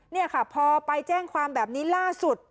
นี่ค่ะพอไปแจ้งความแบบนี้ล่าสุด